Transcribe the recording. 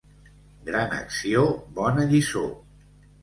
Gran acció, bona lliçó.